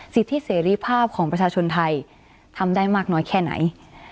สิทธิเสรีภาพของประชาชนไทยทำได้มากน้อยแค่ไหน